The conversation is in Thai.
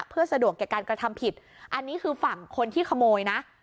เพื่อสะดวกแก่การกระทำผิดอันนี้คือฝั่งคนที่ขโมยนะ